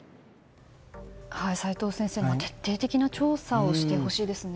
齋藤先生、徹底的な調査をしてほしいですね。